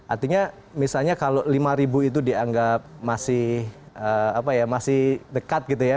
artinya misalnya kalau lima ribu itu dianggap masih apa ya masih dekat gitu ya